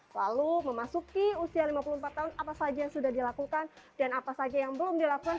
lalu memasuki usia lima puluh empat tahun apa saja yang sudah dilakukan dan apa saja yang belum dilakukan